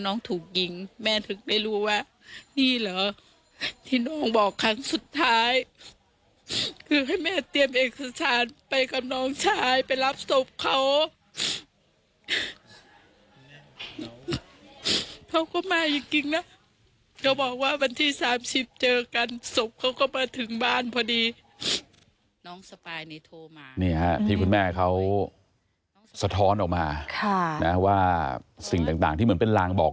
น้องถูกยิงแม่ถึงได้รู้ว่านี่เหรอที่น้องบอกครั้งสุดท้ายคือให้แม่เตรียมเอกสารไปกับน้องชายไปรับศพเขาเขาก็มาจริงนะก็บอกว่าวันที่สามสิบเจอกันศพเขาก็มาถึงบ้านพอดีน้องสปายนี่โทรมานี่ฮะที่คุณแม่เขาสะท้อนออกมาค่ะนะว่าสิ่งต่างที่เหมือนเป็นลางบอก